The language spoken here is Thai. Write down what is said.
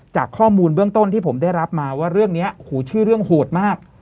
จากข้อมูลเบื้องต้นที่ผมได้รับมาว่าเรื่องนี้หูชื่อเรื่องโหดมาก